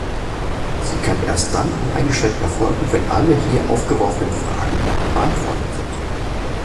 Sie kann erst dann uneingeschränkt erfolgen, wenn alle hier aufgeworfenen Fragen beantwortet sind.